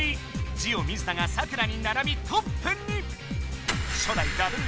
ジオ水田がサクラにならびトップに！